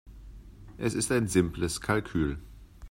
Es ist ein simples Kalkül.